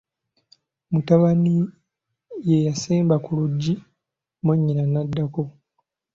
Mutabani ye yasemba ku luggi, mwanyina n'addako.